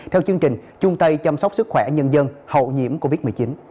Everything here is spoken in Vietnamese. theo chương trình trung tây chăm sóc sức khỏe nhân dân hậu nhiễm covid một mươi chín